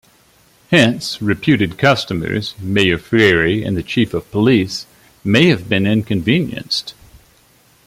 Hence, reputed customers, Mayor Frary and the chief of police, may have been inconvenienced.